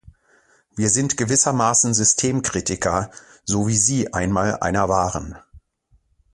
Wir sind gewissermaßen Systemkritiker, so wie Sie einmal einer waren.